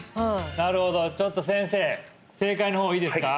なるほどちょっと先生正解の方いいですか？